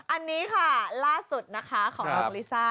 อันนี้ค่ะล่าสุดนะคะของน้องลิซ่า